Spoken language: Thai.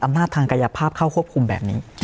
ทางกายภาพเข้าควบคุมแบบนี้